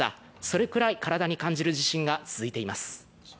それくらい、体に感じる地震が続いています。